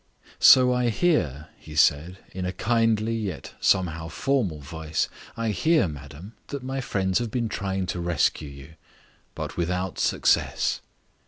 "So I hear," he said, in a kindly yet somehow formal voice, "I hear, madam, that my friends have been trying to rescue you. But without success."